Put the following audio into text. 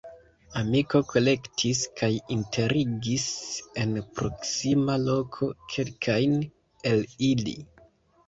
Amiko kolektis kaj enterigis en proksima loko kelkajn el ili.